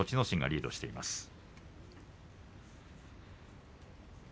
心がリードしています。